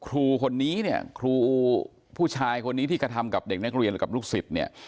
ครูคนนี้เนี่ยครูผู้ชายคนนี้ที่กระทำกับเด็กนักเรียนหรือกับลูกศิษย์เนี่ย